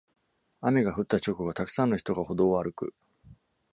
雨が降った直後、たくさんの人が歩道を歩く。